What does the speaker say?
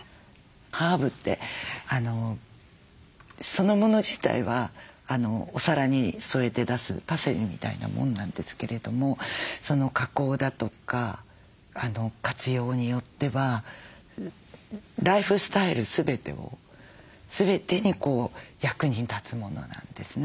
ハーブってそのもの自体はお皿に添えて出すパセリみたいなものなんですけれども加工だとか活用によってはライフスタイル全てを全てに役に立つものなんですね。